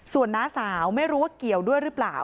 ส่วนน้าสาวไม่รู้ว่าเกี่ยวด้วยหรือเปล่า